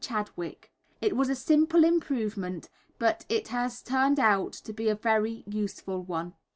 Chadwick. It was a simple improvement, but it has turned out to be a very useful one.